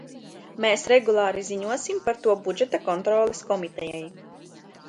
Mēs regulāri ziņosim par to Budžeta kontroles komitejai.